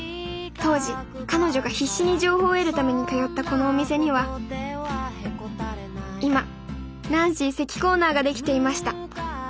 当時彼女が必死に情報を得るために通ったこのお店には今ナンシー関コーナーが出来ていました。